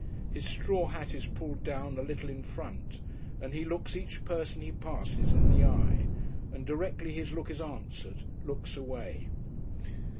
His straw hat is pulled down a little in front, and he looks each person he passes in the eye, and directly his look is answered looks away.